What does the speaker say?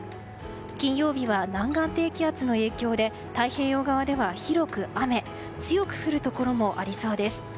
金曜日は南岸低気圧の影響で太平洋側では広く雨。強く降るところもありそうです。